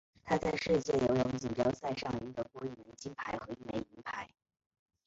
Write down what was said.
他在世界游泳锦标赛上赢得过一枚金牌和一枚银牌。